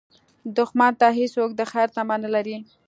دښمن ته هېڅوک د خیر تمه نه لري